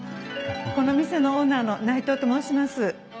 この店のオーナーの内藤と申します。